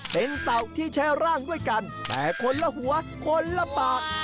เป็นเต่าที่ใช้ร่างด้วยกันแต่คนละหัวคนละปาก